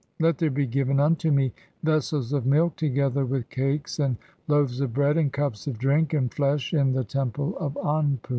Let there be given unto me vessels of milk, together with "cakes, and loaves of bread, and cups of drink, and flesh (7) in "the Temple of Anpu."